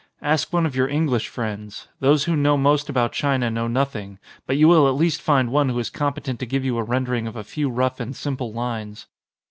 Ask one of your English friends. Those who know most about China know nothing, but you will at least find one who is competent to give you a rendering of a few rough and simple lines."